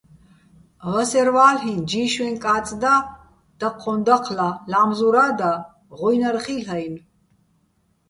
ვასერვ ა́ლ'იჼ: ჯიშვეჼ კა́წ და, დაჴჴოჼ დაჴლა, ლა́მზურა́ და, ღუჲნარ ხილ'ო̆-აჲნო̆.